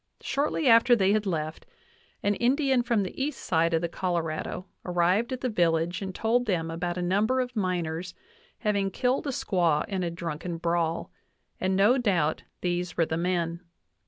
Shortly after they had left, an Indian from the east side of the Colorado arrived at the villagfe and told them about a number of miners having killed a squaw in a drunken brawl, and no doubt these were the men.